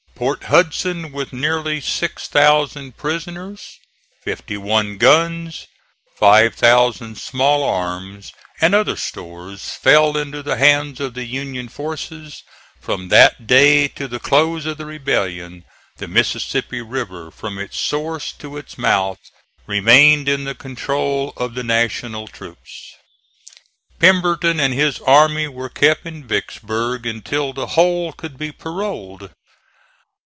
Port Hudson with nearly 6,000 prisoners, 51 guns, 5,000 small arms and other stores fell into the hands of the Union forces: from that day to the close of the rebellion the Mississippi River, from its source to its mouth, remained in the control of the National troops. Pemberton and his army were kept in Vicksburg until the whole could be paroled.